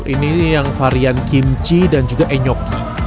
ini yang varian kimchi dan juga enyoki